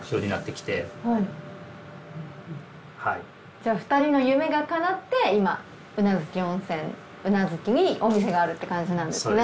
じゃあ２人の夢がかなって今宇奈月温泉宇奈月にお店があるって感じなんですね。